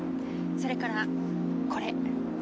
それからこれ。